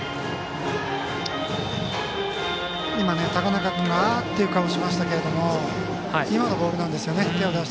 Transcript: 高中君がああっていう顔をしましたけど今のボールなんですよね。